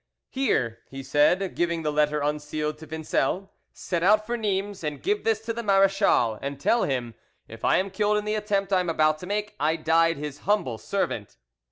"Here," he said, giving the letter unsealed to Vincel, "set out for Nimes and give this to the marechal, and tell him, if I am killed in the attempt I am about to make, I died his humble servant."